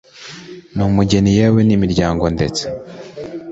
numugeni yewe nimiryango ndetse